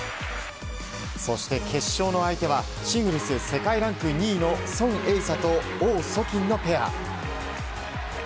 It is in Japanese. そして決勝の相手は世界ランク２位のソン・エイサとオウ・ソキンのペア。